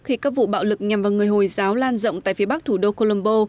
khi các vụ bạo lực nhằm vào người hồi giáo lan rộng tại phía bắc thủ đô colombo